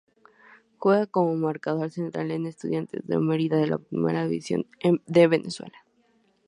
Juega como marcador central en Estudiantes de Merida de la Primera División de Venezuela.